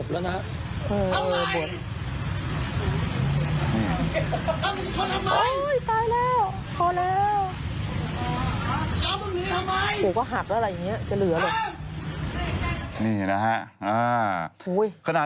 วู๋บอกว่าหักอะไรอย่างงี้จะเหลือหรอก